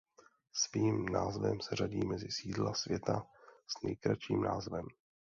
Svým názvem se řadí mezi sídla světa s nejkratším názvem.